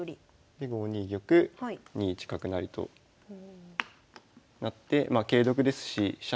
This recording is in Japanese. で５二玉２一角成となってま桂得ですし飛車